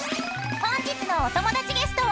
［本日のお友達ゲストは］